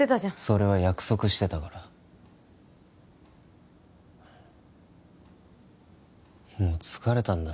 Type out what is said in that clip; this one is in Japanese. それは約束してたからもう疲れたんだ